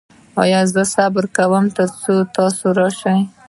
ایا زه صبر وکړم تر څو تاسو راشئ؟